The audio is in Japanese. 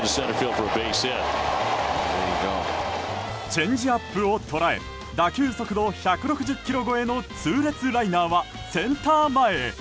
チェンジアップを捉え打球速度１６０キロ超えの痛烈ライナーはセンター前へ。